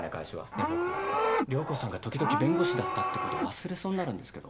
ねえ僕涼子さんが時々弁護士だったってこと忘れそうになるんですけど。